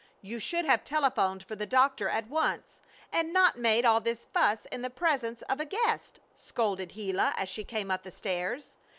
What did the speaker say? "You should have telephoned for the doctor at once and not made all this fuss in the presence of a guest," scolded Gila as she came up the stairs.